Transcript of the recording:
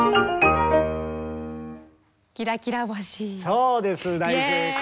そうです大正解！